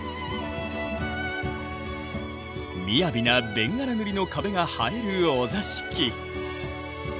みやびな紅殻塗りの壁が映えるお座敷。